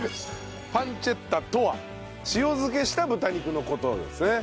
パンチェッタとは塩漬けした豚肉の事ですね。